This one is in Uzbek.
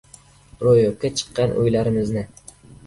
Ro‘yobga chiqqan – o‘ylarimizni